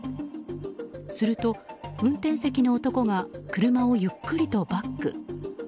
すると、運転席の男は車をゆっくりとバック。